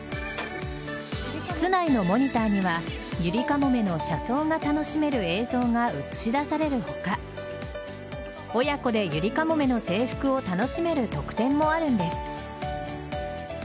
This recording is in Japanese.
室内のモニターにはゆりかもめの車窓が楽しめる映像が映し出される他親子でゆりかもめの制服を楽しめる特典もあるんです。